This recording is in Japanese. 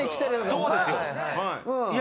そうですよはい。